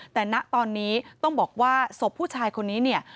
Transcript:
แต่ณตอนนี้ต้องบอกว่าศพผู้ชายคนนี้เนี่ย